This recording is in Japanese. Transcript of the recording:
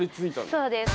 そうです。